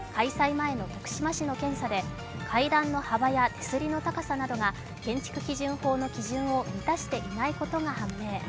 前の徳島市の検査で階段の幅や手すりの高さなどが建築基準法の基準を満たしてないことが判明。